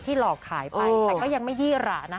หลอกขายไปแต่ก็ยังไม่ยี่หรานะ